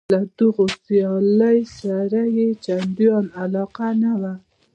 له دغو سیالیو سره یې چندانې علاقه نه وه.